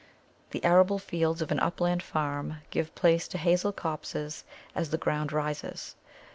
The arable fields of an upland farm give place to hazel copses as the ground rises.